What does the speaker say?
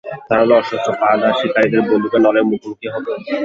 ধারালো অস্ত্রশস্ত্র, ফাঁদ আর শিকারীদের বন্দুকের নলের মুখোমুখি হবো?